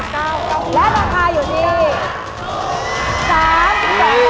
เมื่อตั้ง๓๙และราคาอยู่ที่๓๒บาท